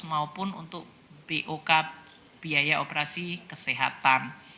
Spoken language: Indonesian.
maupun untuk bok biaya operasi kesehatan